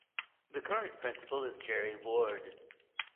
The current principal is Gerry Ward.